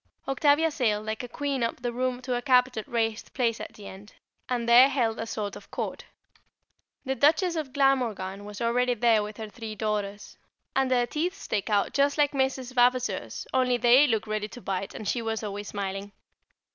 Octavia sailed like a queen up the room to a carpeted raised place at the end, and there held a sort of court. The Duchess of Glamorgan was already there with her three daughters, and their teeth stick out just like Mrs. Vavaseur's; only they look ready to bite, and she was always smiling.